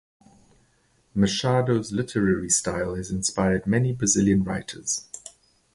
Machado's literary style has inspired many Brazilian writers.